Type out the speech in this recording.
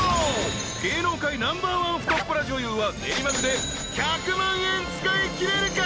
［芸能界ナンバーワン太っ腹女優は練馬区で１００万円使いきれるか？］